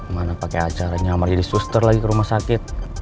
mana pakai acara nyamar jadi suster lagi ke rumah sakit